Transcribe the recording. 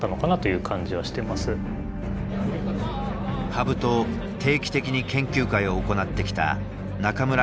羽生と定期的に研究会を行ってきた中村太地八段。